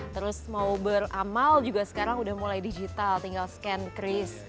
terus mau beramal juga sekarang udah mulai digital tinggal scan kris